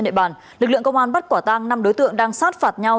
nệ bản lực lượng công an bắt quả tang năm đối tượng đang sát phạt nhau